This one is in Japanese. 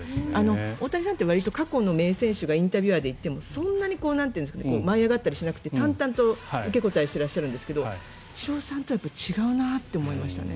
大谷選手ってわりと過去の名選手がインタビュアーでいてもそんなに舞い上がったりしなくて淡々と受け答えをしてらっしゃるんですけどイチローさんとは違うなって感じがしましたね。